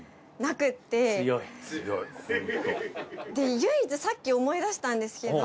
唯一さっき思い出したんですけど。